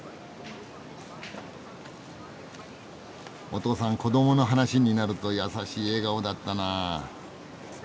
お父さん子どもの話になると優しい笑顔だったなあ。